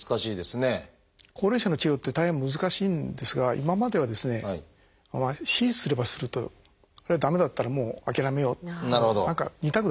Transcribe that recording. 高齢者の治療って大変難しいんですが今まではですね手術すればするとあるいは駄目だったらもう諦めようと何か２択だったんですね。